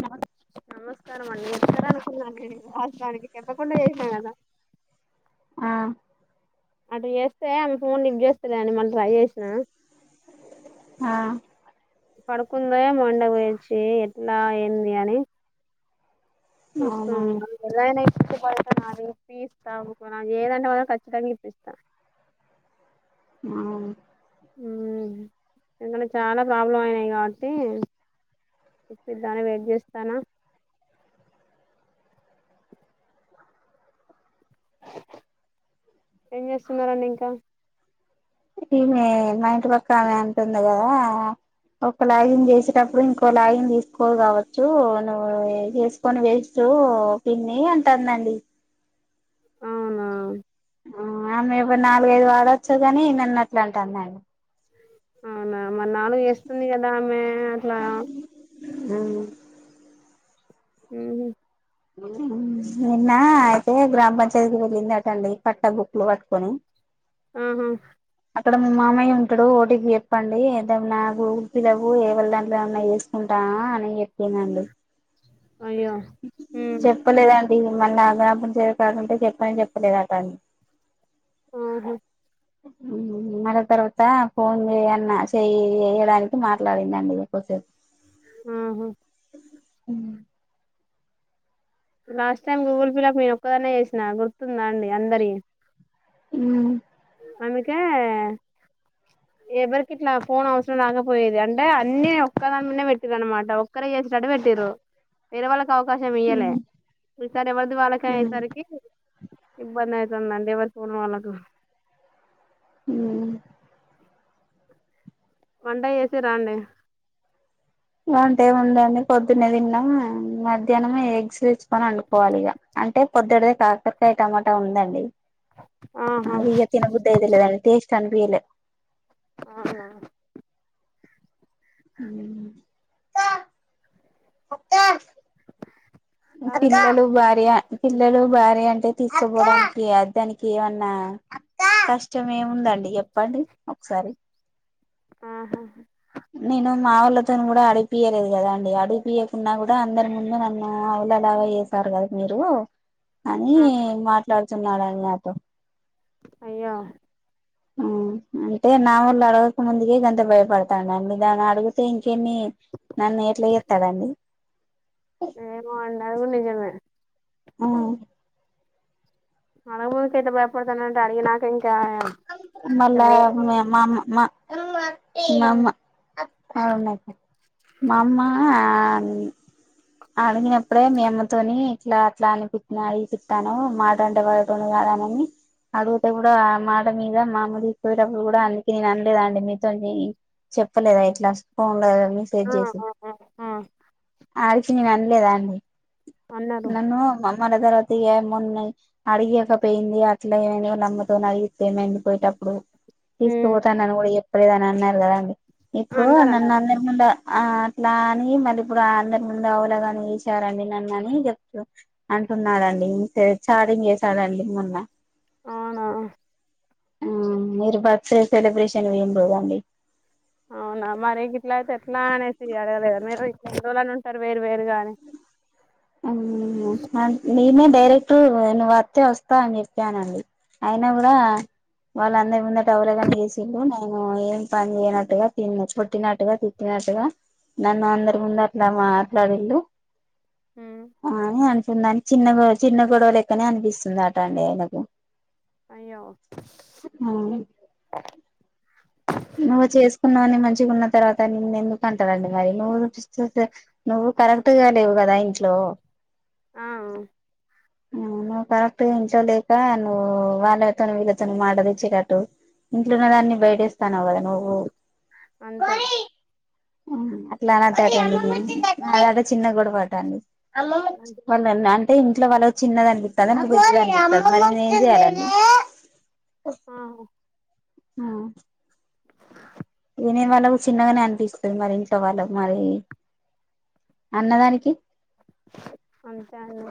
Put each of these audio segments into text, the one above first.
నా నమస్కారం అండి చెప్పార అనుకున్నాను నను రాసనికి చెప్పకుండా చేసాను కదా ఆ అటు చేస్తే ఆమె ఫోన్ ఇప్పు చేస్తలే అని మళ్ళీ ట్రై చేసినా ఆ పడుకుందో ఏమో ఏండగ వచ్చి ఎట్లా ఏంది అని వ అవునవును ఎ ది ఇప్పి ఇస్తా అది ఏదంటే మనం ఖచ్చితంగా ఇప్పిస్తాం ఆవు హుమ్ ఎందుకంటే చాలా ప్రాబ్లం అయినాయి కాబట్టి చెప్పద్దానే వెయిట్ చేస్తానా ఏం చేస్తున్నడి ఇంకా ఈమె మా ఇంటి పక్కమె అంటుంది కదా ఒక లాగిన్ చేసేటప్పుడు ఇంకో లాగిన్ తీసుకోదు కావచ్చు నువ్వు చేసుకొని వే హో పిన్ని అంటారుందండి అవునా ఆ మే నాలుగైదు వాడొచ్చా కాని నిన్నట్లాంట అన్నాడు అవునా మరి నాలుగు వేస్తుంది కదా ఆమె అట్లా అ హ నిన్న అయితే గ్రామ పంచాయతీకిి వెళ్ళింది అటండి పట్టా బుక్కులు పట్టుకొని ఆహా అక్కడ మీ మామయ్య ఉంటాడు ఓటీకి చెప్పండి ఏదమన్నా గూగుల్ పిలవు ఏవళ దాంలో ఏన్నా చేసుకుంటా ఆ అనే ఎప్పడందండి అయ్యో హ ది మళ్ళీ ఆజ్ఞపంచ కాాలంటే చెప్పని చెప్పలేదు అటన్ని ఆహా మల్లా తర్వాత ఫోన్ చేయన్న చేయి చేయడానికి మాట్లాడిందండి మీకుసేపు ఆహా ఉ లాస్ట్ టైమ్ గూగుల్ పిల్లా నేను ఒక్కదన్న చేసినా గుర్తుందా అండి అందరివి ఉ అందుకే ఎవరికి ఇట్లా ఫోన్ అవసరం రాకపోయేది అంటే అన్ని ఒక్కదానిదే పెట్టు అనమాట ఒక్కరే చేసినటట్టు పెట్టు మీరు వేరే వాళ్ళకి అవకాశం ఇయ్యలే ఈసారి ఎవరిది వాళ్ళక అయ్యేసరికి ఇబ్బంది అయితు అండే వ పోల్ వాళ్ళకు అ వంట చేసి రండి ఇ అంటేముందండి పొద్దున్న తిన్న మధ్యాహ్నం ఎగ్స్ వేచ్చుకొని అండుకోవాలి ఇక అంటే పొద్దుది కాకరకాయ టమాటా ఉందండి ఆహా వగ తిన బుద్ధ అదలేదాని టేస్ట్ అనుభలే ఆహా ఉమ్ కాకరకాయ పిల్లలు భార్య పిల్లలు భార్య అంటే తీసుపోవడానికి అద్దానికి ఏమన్నా కష్టం ఏముందండి చెప్పండి ఒకసారి ఆహా నేను మా వాళ్ళతో కూడా అడిపియలేదు కదా అండి అడిపియకున్నా కూడా అందరి ముందు నన్ను పిల్లలాగా చేసారు కదా మీరు అని ఆ మాట్లాడుతున్నాడుని నాతో అయ్యో అంటే నా వాళ్ళు అడగక ముందుకే గంత భయపడతా దాన్ని అడిగితే ఇంకేన్ని నన్ను ఎట్లా చేస్తాడండి ఎమో అండి అది గుడా నిజమే ఆ మన ముందు కట్ట భయపడుతుట అడి నాక మళ మా [unintelligible] అవున్నా మామ్మ అడిగినప్పుడే మ అమ్మతోని ఇట్లా అట్లా అనిపి అడిగి తట్టాను మాట అండే వాడు [unintelligible] అడుగుతే కూడా మాట మీద మామద పోయేటప్పుడు కూడా అందుకే నేను అనలేదా అండి మీతో చెప్పలేదు అయితే ఇలా ఫోన్ లో మెసేజ్ ఆ చేసి ఆ ఆ ఆ ఆడికి నేను అనలేదా అండి అన్నారు నన్న మ మన తర్వాత ఏమన్నా అడిగకపోయింది అట్లా ఏమ నలమ్మతోని అడిగియి మండిపోయటప్పుడు ఇప్పుడు ఉమ్ తీసుకుపోతా నన్ను కూడా ఎప్పుడద అని అన్నారు కదాండి ఇప్పుడు అన్నారన్న నన్ను అందరి ముందు ఆ అట్లా అని మళ్ళీ ఇప్పుడు అందరి ముందు అవలేనీ ఇసారండి నన్ను అని చెప్పు అంటున్నారండి ఛార్జంగ్ చేసాడండి మొన్న అవునా మీరు బర్త్డే సెలబ్రేషన్ [unintelligible] అవునా మరి ఇట్ల అయితే ఎట్లా అనేసి అడగలేదా మీరు ఇలను సర వేరు వేరుగానే నేనే డైరెక్ట్ నువ్వు వస్తే వస్తా అని చెప్పానండి అయిన కూడా వాళ్ళందరి ముందే టవలేగాని చేసి నేను ఏం పని చేయనట్టుగా తి కొట్టినాట్టుగా తిట్టునట్టుగా ట్టుగా నన్ను అందరి ముందు అట్లా మాటల దిండు ఉమ్ అని అనిపిందని చిన్న గొ చిన్న గొడవ లెక్కనే అనిపిస్తుంది అట అండి ఆయనకు అయ్యో నువ్వు చేసుకున్నావువని మంచిగా ఉన్న తర్వాత నేన్న ఎందుకు పంటదండి మరి నువ్వు నువ్వు కరెక్ట్గా లేవు కదా ఇంట్లో ఆ నువ్వు కరెక్ట్ ఇంట్లో లేక నువ్వు వాళ్ళతోను విళతను [unintelligible] ఇంట్లోన్న దాన్ని బయటేస్తాన్నావు కదా నువ్వు అంతే అట్లా ఆనదండి అధే ఎధో చిన్న గొడావా అ వాళ్ళ అంటే ఇంట్లో వాళ్ళ చిన్నదనిపిస్తుద నీ [unintelligible] ఆ ఆ నేనే వాళ్ళకు చిన్నగానే అనిపిస్తుంది మరి ఇంట్లో వాళ్ళకు మరి అన్నదానికి ఆంథే అండి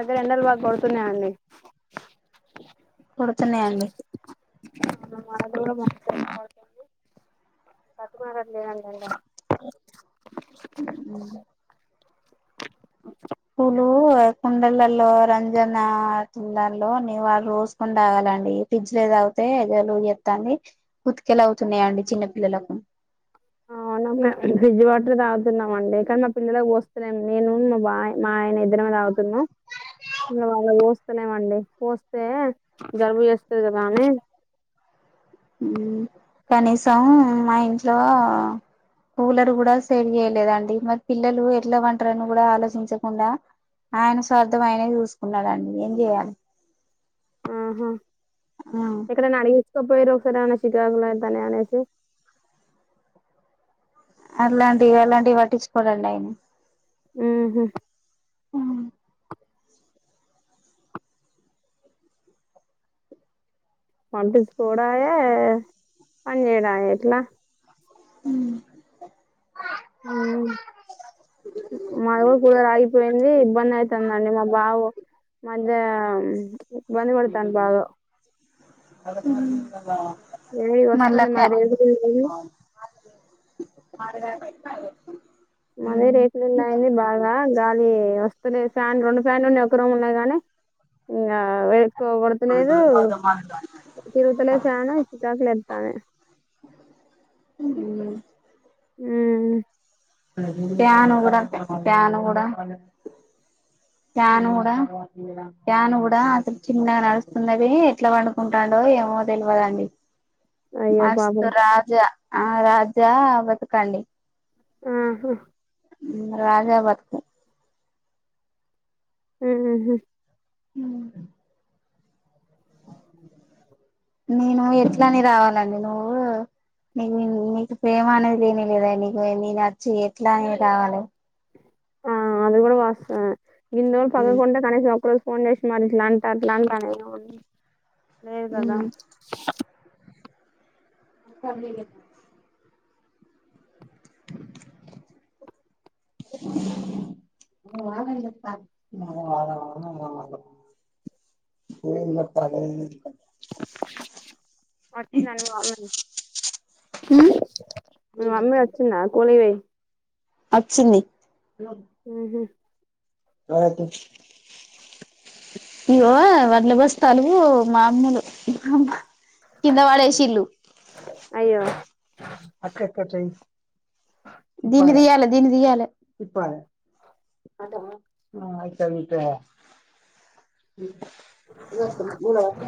ఇగ్గర ఎండల బాగా కొడుతునే అండి కొడుతున్న అండి [unintelligible] మంది కట్టుకున్నారట్లేదండీ ఉ పూలు కుండలల్లో రంజన కులల్లో నీ వాళు రోజుకుడా ఆగాలి ఫ్రిడ్జ్ లో ఏద అతేలు ఎస్తండి ఉతికెలు అవుతున్నాయండి చిన్నపిల్లలకు ఆ ఫ్రిడ్జ్ వాటర్ తాగుతున్నాం అండి కానీ మా పిల్లకి వస్తున్నాం నేను మా బా మా ఆయనయి మల్లి పోస్తే జలుబు చేస్తుంది కదాని కనీసం మా ఇంట్లో కూలర్ కూడా సరి చేయలేదండి మరి పిల్లలు ఎట్లా ఉంటారని కూడా ఆలోచించకుండా ఆయన స్వార్థంమయినా చూసుకున్నాడండి ఏం చెయాలి ఆహా ఎక్కడ అడిగి చూసి చూపించుకో పోయారు ఎక్కడనైనా చికాకులైతేనే అలాంటివి అలాంటివి పట్టించుకోవధండి ఆయన ఆహ పట్టించుకోడాయే పని చేయడాయే ఎట్లా హ హ్మ్మ్ మాది కూడా కూలర్ ఆగే పోయింది ఇబ్బంది అయితుందండి మా బాబు ఇబ్బంది పడతాండు బాగా అద వేడిగా మళ్ళ వస్తుంది ఫ మాది రేకులిల్లు అయింది మాగా మద రేఖలింద అయిందింది బాగాగాలి వస్త ఫ్యాన్ రెండు ఫ్యాన్ ఉన్నా ఒక రూమ్ ఉన్నాయి గానీ ఇం కోగొడతలేదు తిరుగుతలేదు ఫ్యాను చికాకులేస్తుంది అ ఉ ఒక ఫ్యాన్ కూడా ఫ్యాన్ కూడా ఫ్యాన్ కూడా అతలు చిన్నగా నడుస్తుందివి ఎట్లా పండుకుంటాడో ఏ న తెలువద అండి అయ్యో మస్తు పాపం రాజా ఆ రాజా బతుకండి ఆహా రాజా బతుకు ఆమ్మ్మ్ హ నేను ఎట్లాని రావాలండి నువ్వు నీకు నీకు ప్రేమ అనేది లేని లేదా నీకు నీ నర్చ్చి ఎట్లా అనే కావాలి ఆ అది కూడా వాస ఇ వాళ పదం ఉమ్ కొంట కనసి సపడ పోండష్ మరి ఇట్లా అంట అట్లా అంట లేదు కదా ఉమ్ సీ వా వా వా పో కాల వచ్చ నను బ ఉమ్ మమ్మ అచ్చన్న కోలేవ అచ్చంది హ అతే ఇవో వడ్ల బస్ తలుగు మామూలు మామ్మ కింద పడేషన్లు అయ్యో దీన్ని తీయాలి అంతేనా ఆ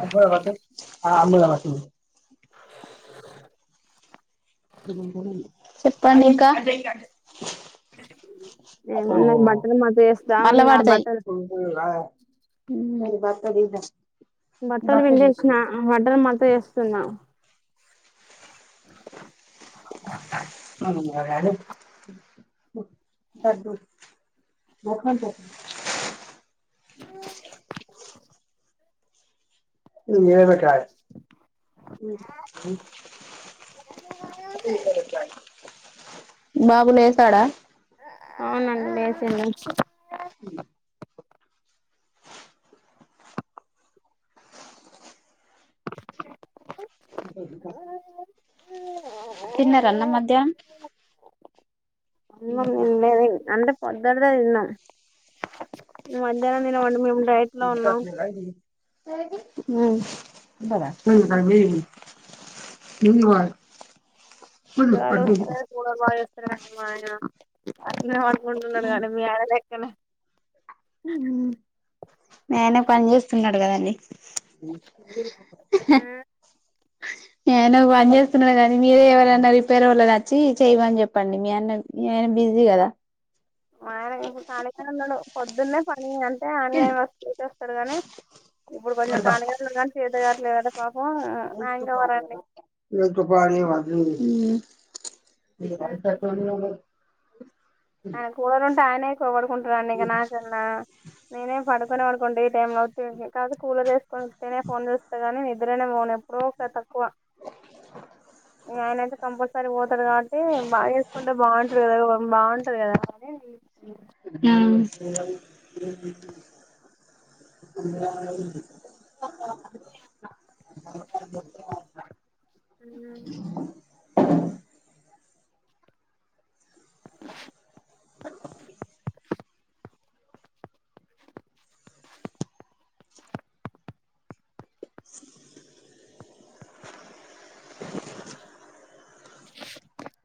ఇట్లా పట్టు చెప్పండి ఇంకా నేను బట్టలు మడత చేస్తా మళ్ళ ఉన్నా పడుతయ్ బట్టలు మరి బత్తా తీద్దాం బట్టలు పిండేసిన బట్టలు మడత చేస్తున్న అవునా [inaudible] [inaudible] ఇది ఏడ పెట్టిరావాలె బాబు లేసాడ అవునండి లేసిండు హు తింటా తింటా మధ్యాహ్నం అమ్మమ్మ ఉండది అంటే పొద్దటిదే తిన్నాం మధ్యాహ్నం తినమండి మేము డైట్ లో ఉన్నాం [inaudible] గాలి వస్తే కూలర్ బాగుచేస్తలేడండి మా ఆయన మొండి వున్నాడుకదా మీ ఆయన లెక్కనే మీ ఆయన పని చేస్తున్నడు కదనే మీ ఆయన పని చేస్తున్నడు కానీ మీరే ఎవరైనా రిపేర్ వాళ్లనోచ్చి చేయమని చెప్పండి మీ ఆయనకు ఈజీ కదా మా ఆయన ఇప్పుడు కాలిగనేఉన్నాడు పొద్దున్నే పనిలో వున్నాడు ఇప్పుడు మొన్న కాలిగానే ఉన్నాడు కానీ చేతకావట్లేదట పాపం అందుకే చెయ్యలేదండి మ్మ్ ఆయన కూలర్ ఉంటే ఆయన ఎక్కువ పడుకుంటడండి ఇక నాకన్న నేనే పడుకొను పడుకుంటే ఈ టైం లో వచ్చేసి కాకపోతే కూలర్ వేసుకొని ఉత్తిగానే ఫోన్ చూస్తగానీ నిద్ర పోను నిద్రనే పోను ఎప్పుడో ఒకసారి తక్కువ ఆయన అయితే కంపల్సరీ పోతాడు కాబట్టి బాగు చేసుకుంటే బాగుంటది కదా సరే అండి మ్మ్ హ్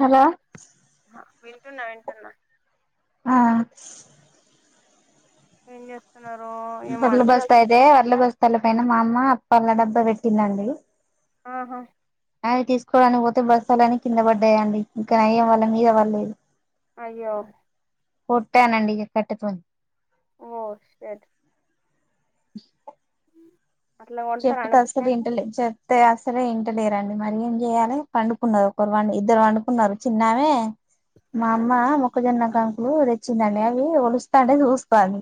హలో వింటున్నా వింటున్నా ఆ ఏం చేస్తూ వడ్ల బస్తా అయితే వడ్ల బస్తల పైన మా అమ్మ అప్పల డబ్బా పెట్టిందండి ఆహా అవి తీసుకోవడానికి పోతే బస్తాలన్నీ కింద పడ్డాయండి ఇంకా నయ్యం వాళ్ల మీద పడలేదు అయ్యో కొట్టానండి ఇగా ఈ కట్టెతోని ఓ షెట్ అట్లా చెప్పుతే కొంటారండి అస్సలు వింటలే చోప్ తే అస్సలే వింటలేరండి మరి ఏం చేయాలే పండుకున్నారు ఒకరు వండు ఇద్దరు పండుకున్నారు చిన్నామే మా అమ్మ మొక్కజొన్న కాంకులు తెచ్చిందండి అవి ఒలుస్తాంటే చూస్తంది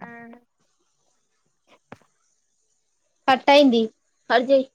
ఆ కట్టయింది కట్ చెయ్